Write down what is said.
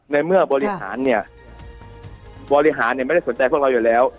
ในเมื่อบริหารเนี่ยบริหารเนี่ยไม่ได้สนใจพวกเราอยู่แล้ว